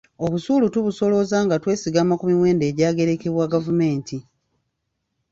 Obusuulu tubusolooza nga twesigama ku miwendo egyagerekebwa gavumenti.